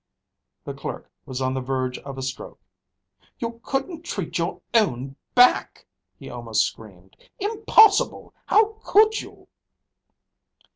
The clerk was on the verge of a stroke. "You couldn't treat your own back," he almost screamed. "Impossible! How could you?"